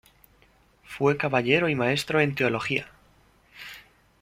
Fue caballero y maestro en Teología.